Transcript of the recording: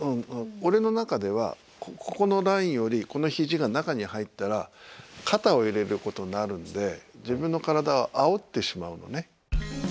俺の中ではここのラインよりこの肘が中に入ったら肩を入れることになるんで自分の体をあおってしまうのね。